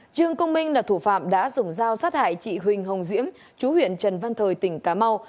trương công minh là thủ phạm đã dùng dao sát hại chị huỳnh hồng diễm chú huyện trần văn thời tỉnh cà mau